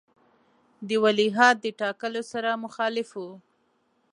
د ولیعهد د ټاکلو سره مخالف وو.